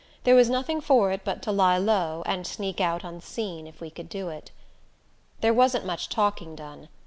There was nothing for it but to lie low, and sneak out unseen if we could do it. There wasn't much talking done.